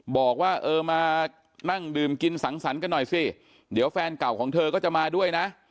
บอกว่าเออมานั่งดื่มกินสังสรรค์กันหน่อยสิเดี๋ยวแฟนเก่าของเธอก็จะมาด้วยนะ